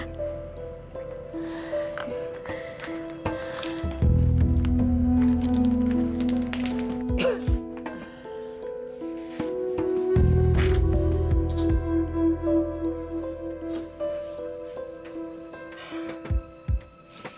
sebaiknya sekarang ibu istirahat ya